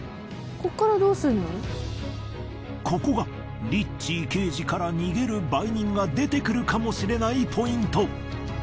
ここがリッチー刑事から逃げる売人が出てくるかもしれないポイント。